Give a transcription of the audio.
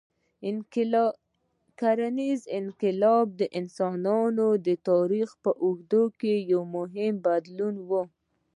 کرنيز انقلاب د انسانانو د تاریخ په اوږدو کې یو مهم بدلون و.